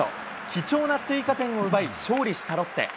貴重な追加点を奪い、勝利したロッテ。